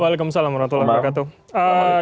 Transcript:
waalaikumsalam waalaikumsalam wr wb